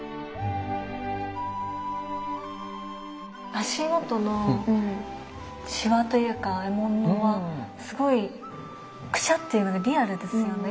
足元のしわというか衣紋はすごいくしゃっていうのがリアルですよね。